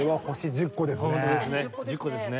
１０個ですね。